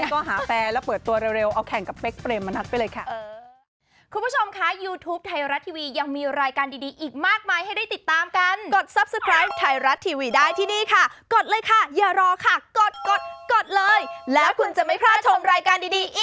ก็หาแฟนแล้วเปิดตัวเร็วเอาแข่งกับเป๊กเปรมมนัดไปเลยค่ะ